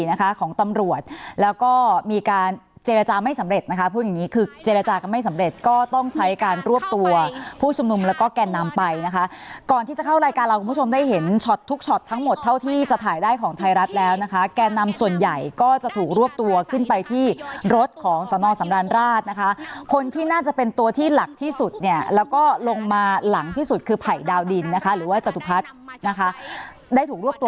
ที่นะคะของตำรวจแล้วก็มีการเจรจาไม่สำเร็จนะคะพูดอย่างนี้คือเจรจากันไม่สำเร็จก็ต้องใช้การรวบตัวผู้ชมนุมแล้วก็แก่นนำไปนะคะก่อนที่จะเข้ารายการเราคุณผู้ชมได้เห็นช็อตทุกช็อตทั้งหมดเท่าที่จะถ่ายได้ของไทยรัฐแล้วนะคะแก่นนำส่วนใหญ่ก็จะถูกรวบตัวขึ้นไปที่รถของสนสำรราชนะคะคนที่น่าจะเป็นตัวที่หลักท